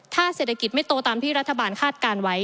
ถ้าเศรษฐกิจไม่โตตามที่รัฐบาลคาดการณ์ไว้